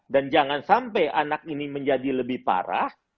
dan jangan sampai anak ini menjadi lebih parah